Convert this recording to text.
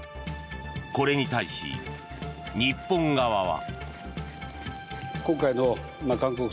これに対し、日本側は。